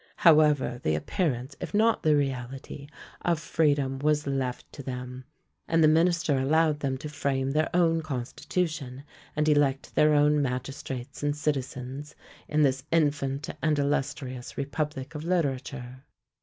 However, the appearance, if not the reality, of freedom was left to them; and the minister allowed them to frame their own constitution, and elect their own magistrates and citizens in this infant and illustrious republic of literature.